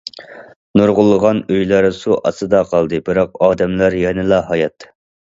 نۇرغۇنلىغان ئۆيلەر سۇ ئاستىدا قالدى، بىراق ئادەملەر يەنىلا ھايات.